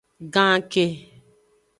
Ganke.